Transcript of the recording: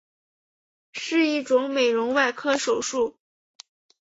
是一种美容外科手术。